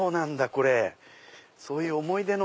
これそういう思い出の。